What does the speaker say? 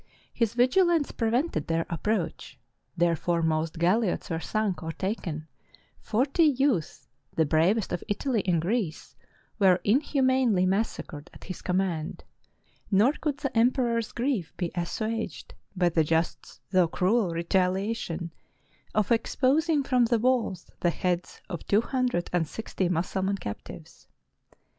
His vigilance pre vented their approach ; their foremost galiots were sunk or taken; forty youths, the bravest of Italy and Greece, were inhumanly massacred at his command; nor could the emperor's grief be assuaged by the just though cruel retaliation, of exposing from the walls the heads of two hundred and sixty Mussulman captives.